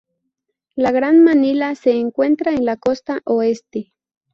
La Gran Manila se encuentra en la costa oeste.